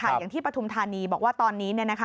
อย่างที่ปฐุมธานีบอกว่าตอนนี้